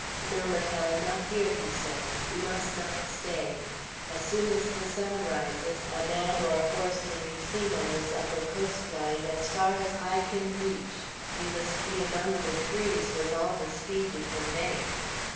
"No, Majella, not here." he said. "We must not stay. As soon as the sun rises, a man or a horse may be seen on this upper coast line as far as eye can reach. We must be among the trees with all the speed we can make."